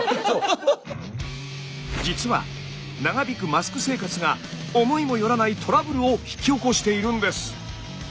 実は長引くマスク生活が思いも寄らないトラブルを引き起こしているんです。